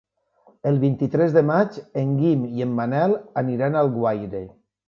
El vint-i-tres de maig en Guim i en Manel aniran a Alguaire.